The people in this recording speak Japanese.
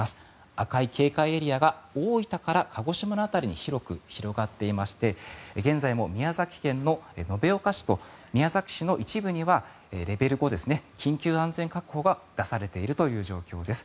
赤い警戒エリアが大分から鹿児島の辺りに広く広がっていまして現在も宮崎県の延岡市と宮崎市の一部にはレベル５、緊急安全確保が出されているという状況です。